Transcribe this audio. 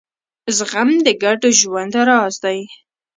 زغم د ګډ ژوند راز دی.